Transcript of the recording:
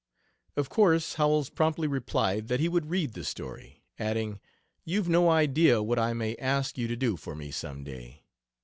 Of course Howells promptly replied that he would read the story, adding: "You've no idea what I may ask you to do for me, some day.